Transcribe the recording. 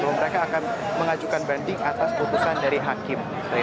bahwa mereka akan mengajukan banding atas putusan dari hakim